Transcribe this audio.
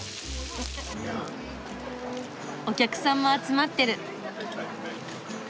お客さんも集まってる。